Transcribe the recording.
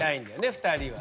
２人はね。